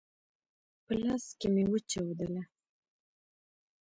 په لاس کي مي وچاودله !